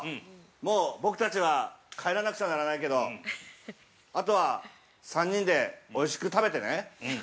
もう僕たちは、帰らなくちゃならないけど、あとは、３人で、おいしく食べてね？